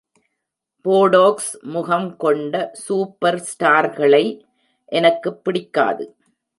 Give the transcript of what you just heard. Botox முகம் கொண்ட சூப்பர்ஸ்டார்களை எனக்குப் பிடிக்காது.